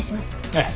ええ。